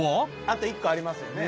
あと１個ありますよね。